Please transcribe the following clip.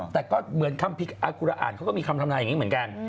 แต่ก็เหมือนคำอาคุระอ่านเขาก็มีคำทำนายอย่างนี้เหมือนกัน